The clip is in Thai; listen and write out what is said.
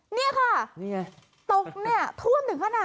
เนี๊ยะค่ะ